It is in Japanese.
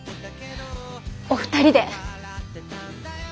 お二人で。